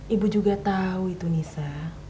ibu juga tahu itu nisa